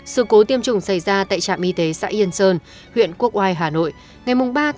sự cố tiêm chủng xảy ra tại trạm y tế xã yên sơn huyện quốc oai hà nội ngày ba một mươi một